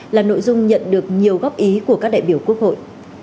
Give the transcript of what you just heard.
là nội dung nhận được nhiều góp ý của các đại biểu quốc hội